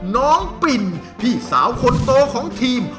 ปิ่นพี่สาวคนโตของทีม